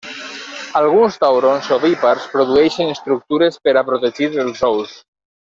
Alguns taurons ovípars produeixen estructures per a protegir els ous.